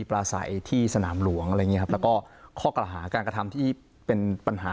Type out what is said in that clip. ปลาใสที่สนามหลวงอะไรอย่างเงี้ครับแล้วก็ข้อกระหาการกระทำที่เป็นปัญหา